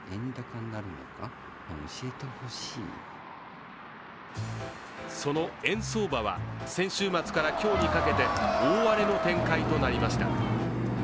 更にその円相場は、先週末から今日にかけて大荒れの展開となりました。